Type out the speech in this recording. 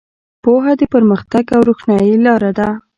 پوهه د پرمختګ او روښنایۍ لاره ده.